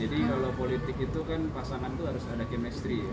jadi kalau politik itu kan pasangan itu harus ada kemestri